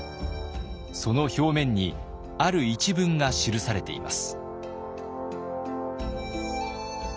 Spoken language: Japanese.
その表面にある一文が記されています。